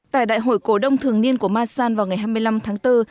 tại đại hội cổ đông thường niên của masan vào ngày hai mươi năm tháng bốn